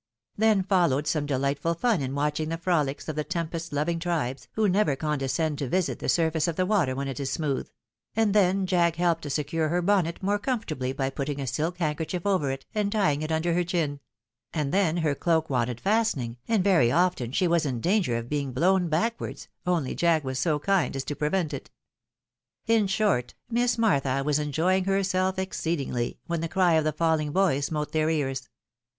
Then followed some delightful fun in watching the frohcs of the tempest loving tribes, who never condescend to visit the sur face of the water when it is smooth ; and then Jack helped to secure her bonnet more comfortably by putting a silk handker chief over it, and tying it under her chin ; and then her cloak wanted fastening, and very often she was in danger of being blown backwards, only Jack was so kind as to prevent it. In short. Miss Martha was enjoying herself exceedingly, when the cry of the falling boy smote their ears.